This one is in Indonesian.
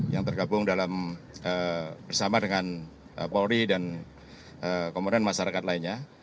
yang tergabung bersama dengan polri dan komponen masyarakat lainnya